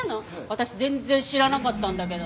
私全然知らなかったんだけど。